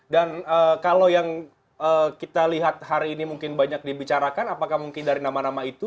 dan kalau yang kita lihat hari ini mungkin banyak dibicarakan apakah mungkin dari nama nama itu